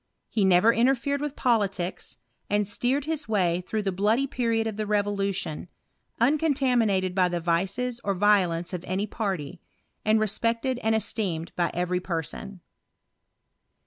He never interfered with politics, and steered his way through the bloody period of the re *v©lution, uncontaminated by the vices or violence of any party, and respected and esteemed by every person.